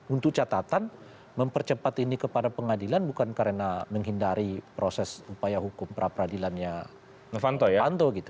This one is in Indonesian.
untuk catatan mempercepat ini kepada pengadilan bukan karena menghindari proses upaya hukum perapradilannya stenovanto